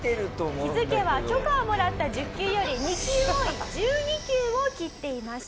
気づけば許可をもらった１０球より２球多い１２球を斬っていました。